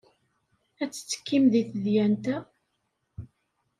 Ad tettekkim deg tedyant-a?